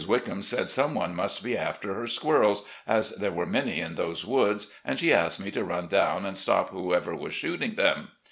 Wickham said some one must be after her squirrels, as there were many in those woods, and she asked me to run down and stop whoever was shooting them.